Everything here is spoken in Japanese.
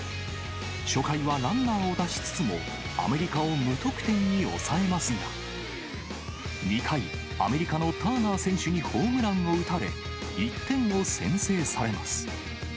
初回はランナーを出しつつも、アメリカを無得点に抑えますが、２回、アメリカのターナー選手にホームランを打たれ、１点を先制されます。